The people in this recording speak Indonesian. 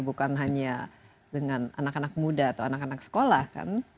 bukan hanya dengan anak anak muda atau anak anak sekolah kan